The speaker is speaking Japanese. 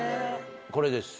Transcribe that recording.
これです。